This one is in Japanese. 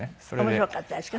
面白かったですか？